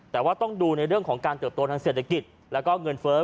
แต่ว่าต้องดูในเรื่องของการเติบโตทางเศรษฐกิจแล้วก็เงินเฟ้อ